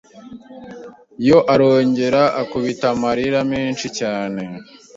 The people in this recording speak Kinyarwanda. yo arongera akubita amarira menshi cyane hasi